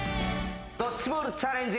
ドッジボールチャレンジ。